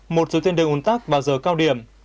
một số tuyên đường ủn tắc vào giờ cao điểm